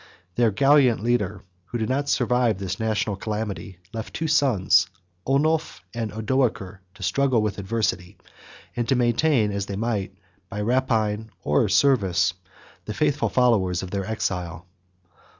120 Their gallant leader, who did not survive this national calamity, left two sons, Onulf and Odoacer, to struggle with adversity, and to maintain as they might, by rapine or service, the faithful followers of their exile.